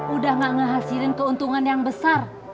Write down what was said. udah gak ngehasilin keuntungan yang besar